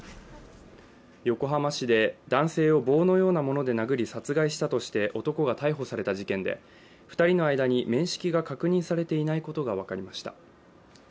横浜市で男性を棒のようなもので殴り殺害したとして男が逮捕された事件で、２人の間に面識が確認されていないことが分かりました。